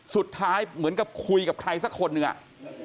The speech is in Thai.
สุดท้ายเหมือนกับคุยกับใครสักคนหนึ่ง